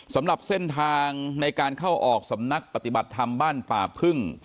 สำหรับเส้นทางในการเข้าออกสำนักปฏิบัติธรรมบ้านป่าพึ่ง